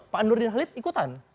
pak nurdin halid ikutan